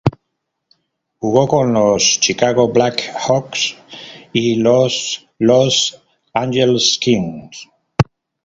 Jugó con los Chicago Black Hawks y los Los Angeles Kings.